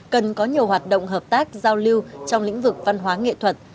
cần có nhiều hoạt động hợp tác giao lưu trong lĩnh vực văn hóa nghệ thuật